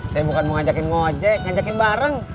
saya bukan mau ngajakin bang ojak nganjakin bareng